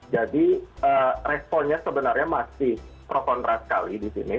jadi responnya sebenarnya masih protondrat sekali di sini